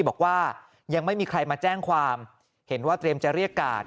บอกว่ายังไม่มีใครมาแจ้งความเห็นว่าเตรียมจะเรียกกาด